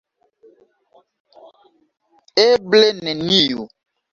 Eble neniu.